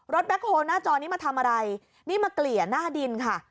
แบ็คโฮลหน้าจอนี้มาทำอะไรนี่มาเกลี่ยหน้าดินค่ะ